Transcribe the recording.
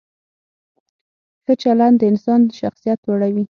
ښه چلند د انسان شخصیت لوړوي.